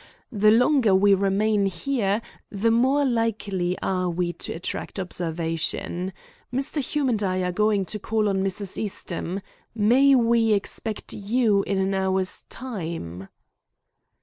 The longer we remain here the more likely are we to attract observation. Mr. Hume and I are going to call on Mrs. Eastham. May we expect you in an hour's time?"